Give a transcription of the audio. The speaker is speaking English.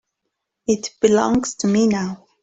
It belongs to me now.